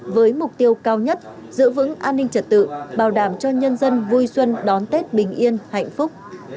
với mục tiêu cao nhất giữ vững an ninh trật tự bảo đảm cho nhân dân vui xuân đón tết bình yên hạnh phúc